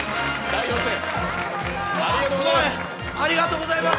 ありがとうございます！